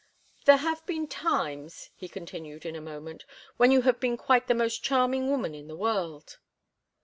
"There have been times," he continued in a moment, "when you have been quite the most charming woman in the world."